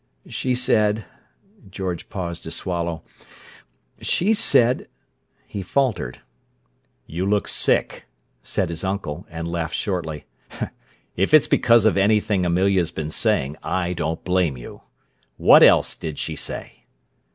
"She said—" George paused to swallow. "She said—" He faltered. "You look sick," said his uncle; and laughed shortly. "If it's because of anything Amelia's been saying, I don't blame you! What else did she say?"